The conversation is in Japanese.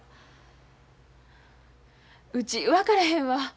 うち分からへんわ。